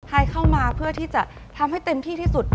ให้เข้ามาเพื่อที่จะทำให้เต็มที่ที่สุด